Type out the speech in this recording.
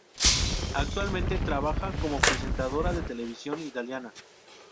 Actualmente trabaja como presentadora de televisión italiana.